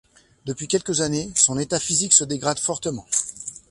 Depuis quelques années, son état physique se dégrade fortement.